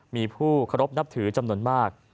มีผู้เคารพนับถือจำนวนมาก